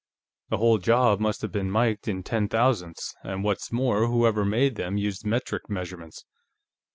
The whole job must have been miked in ten thousandths, and what's more, whoever made them used metric measurements.